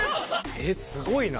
えすごいな。